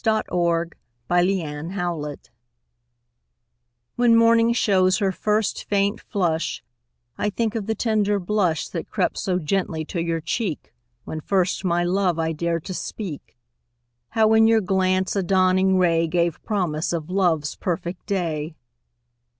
MORNING, NOON AND NIGHT When morning shows her first faint flush, I think of the tender blush That crept so gently to your cheek When first my love I dared to speak; How, in your glance, a dawning ray Gave promise of love's perfect day.